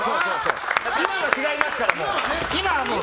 今は違いますから、もう。